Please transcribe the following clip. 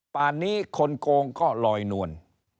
ป่านนี้คนโกงก็ลอยนวล